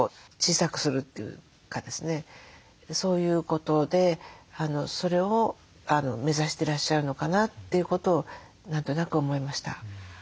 そういうことでそれを目指してらっしゃるのかなということを何となく思いました。